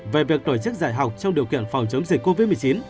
về việc tổ chức dạy học trong điều kiện phòng chống dịch covid một mươi chín